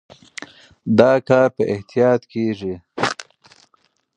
دا کار په احتیاط کېږي.